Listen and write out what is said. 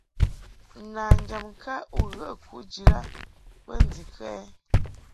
Nanjam ŋka u ghə kujid a bə ndikə ?